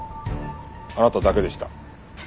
あなただけでした。